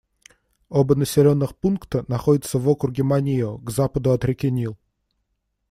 Оба населенных пункта находятся в округе Манио, к западу от реки Нил.